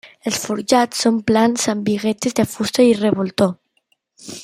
Els forjats són plans amb biguetes de fusta i revoltó.